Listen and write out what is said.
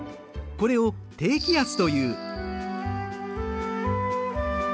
これを低気圧という。